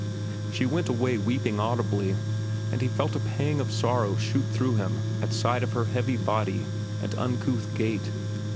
She went away weeping audibly, and he felt a pang of sorrow shoot through him at sight of her heavy body and uncouth gait.